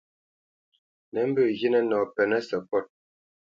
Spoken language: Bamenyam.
Nǝ̌ mbǝ̄ghinǝ nɔ pɛ́nǝ̄ sǝkôt.